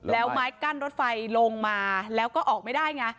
แล้วไม้กั้นรถไฟลงมาแล้วก็ออกไม่ได้ไง